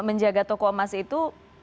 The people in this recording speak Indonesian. menjaga toko emas itu